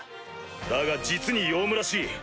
だが実にヨウムらしい。